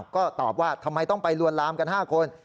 ก็ตอบว่าทำไมต้องไปลวนลามกัน๕คน